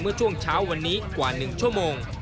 เมื่อช่วงเช้าวันนี้กว่า๑ชั่วโมง